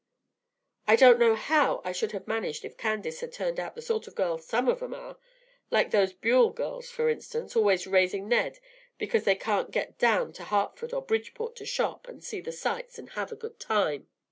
I don't know how I should have managed if Candace had turned out the sort of girl some of 'em are, like those Buell girls, for instance, always raising Ned because they can't get down to Hartford or Bridgeport to shop and see the sights and have a good time.